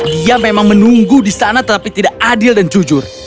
dia memang menunggu di sana tetapi tidak adil dan jujur